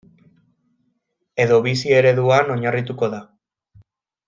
Edo bizi ereduan oinarrituko da.